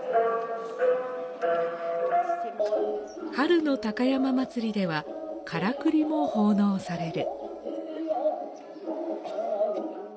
春の高山祭では、からくりも奉納される。